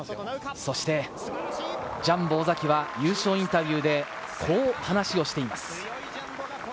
そしてジャンボ尾崎は優勝インタビューで、こう話をしています。